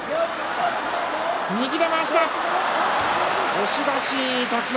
押し出し、栃ノ